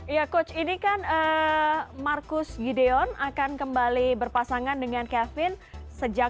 ya coach ini kan marcus gideon akan kembali berpasangan dengan kevin sejak